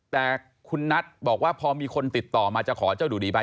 แต่คุณนัทบอกว่าพอมีคนติดต่อมาจะขอเจ้าดูดีไป